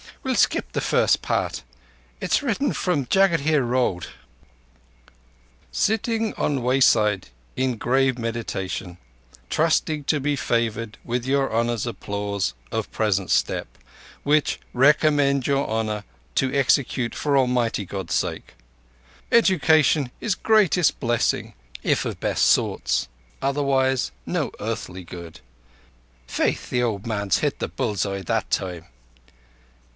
We'll skip the first part ... It's written from Jagadhir Road ... '_Sitting on wayside in grave meditation, trusting to be favoured with your Honour's applause of present step, which recommend your Honour to execute for Almighty God's sake. Education is greatest blessing if of best sorts. Otherwise no earthly use._' Faith, the old man's hit the bull's eye that time!